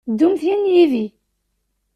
Ddumt yan yid-i.